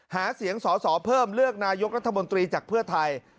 หาเสียงสอสอเพิ่มเลือกนายกรัฐมนตรีจากเพื่อไทย